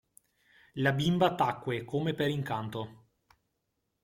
La bimba tacque come per incanto.